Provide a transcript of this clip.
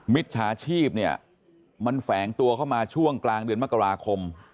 มิจฉาชีพเนี่ยมันแฝงตัวเข้ามาช่วงกลางเดือนมกราคม